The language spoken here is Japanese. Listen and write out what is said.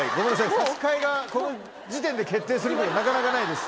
差し替えがこの時点で決定することなかなかないです。